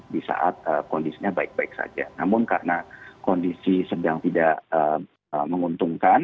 di saat kondisinya baik baik saja namun karena kondisi sedang tidak menguntungkan